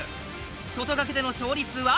外掛けでの勝利数は５。